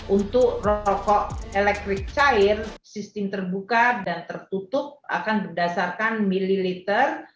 untuk rokok elektrik cair sistem terbuka dan tertutup akan berdasarkan mililiter